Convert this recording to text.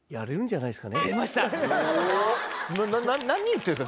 な何言ってるんですか？